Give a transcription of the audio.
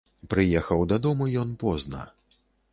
Прыехаў дадому ён позна.